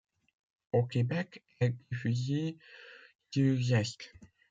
Au Québec, elle diffusée sur Zeste.